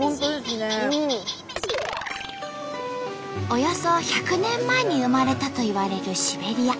およそ１００年前に生まれたといわれるシベリア。